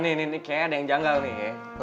ntar nih nih kayaknya ada yang janggal nih